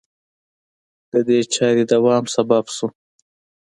د دې چارې دوام سبب شو